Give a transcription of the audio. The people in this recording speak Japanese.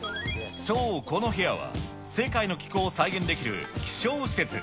そう、この部屋は、世界の気候を再現できる気象施設。